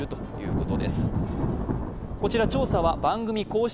こちら調査は番組公式